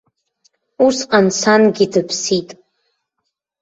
Усҟан сангьы дыԥсит.